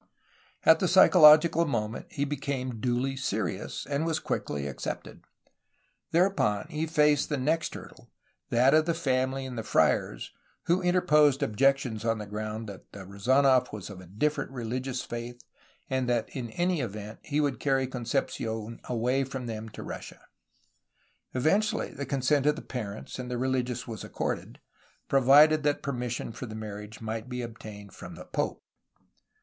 At the psychological moment he became duly "serious," and was quickly accepted. Thereupon he faced the next hurdle, that of the family and the friars, who interposed ob jections on the ground the Rezanof was of a different reli gious faith and that in any event he would carry Concepci6n away from them to Russia. Eventually the consent of parents and religious was accorded, provided that permis sion for the marriage might be obtained from the pope.